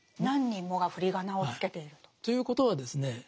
何人もが振り仮名をつけていると。ということはですね